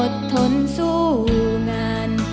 ทนสู้งาน